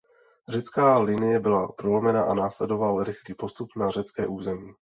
Řecká linie byla prolomena a následoval rychlý postup na řecké území.